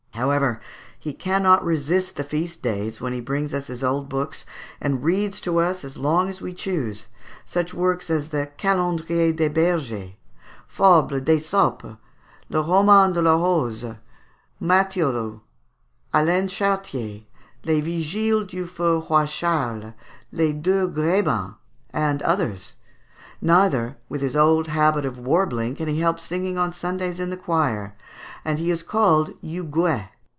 However, he cannot resist the feast days, when he brings us his old books, and reads to us as long as we choose, such works as the 'Calondrier des Bergers,' 'Fables d'Esope,' 'Le Roman de la Rose,' 'Matheolus,' 'Alain Chartier,' 'Les Vigiles du feu Roy Charles,' 'Les deux Grebans,' and others. Neither, with his old habit of warbling, can he help singing on Sundays in the choir; and he is called Huguet.